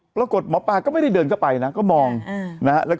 ปรากฏหมอปลาก็ไม่ได้เดินเข้าไปนะก็มองนะฮะ